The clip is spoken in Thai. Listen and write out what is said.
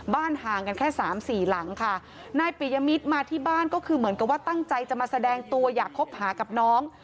ห่างกันแค่สามสี่หลังค่ะนายปิยมิตรมาที่บ้านก็คือเหมือนกับว่าตั้งใจจะมาแสดงตัวอยากคบหากับน้อง